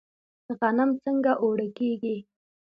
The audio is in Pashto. غنم څنګه اوړه کیږي؟